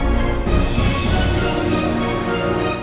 kamu siapa sih